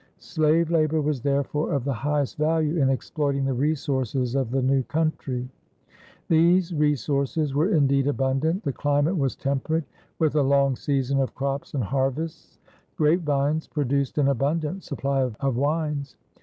Slave labor was therefore of the highest value in exploiting the resources of the new country. These resources were indeed abundant. The climate was temperate, with a long season of crops and harvests. Grape vines produced an abundant supply of wines.